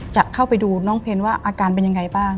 จะเข้าไปดูน้องเพลว่าอาการเป็นยังไงบ้าง